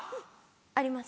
あります。